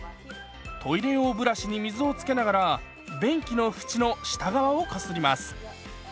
トイレ用ブラシに水をつけながら便器の縁の下側をこすります。